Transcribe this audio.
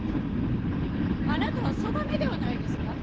あなたはそばめではないですか。